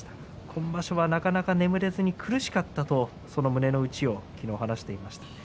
今場所はなかなか眠れずに苦しかったとその胸の内を昨日、話していました。